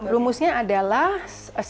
rumusnya adalah sebelas